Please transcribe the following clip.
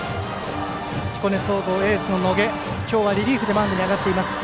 彦根総合エースの野下は今日はリリーフでマウンドに上がっています。